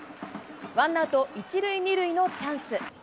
ワンアウト１塁２塁のチャンス。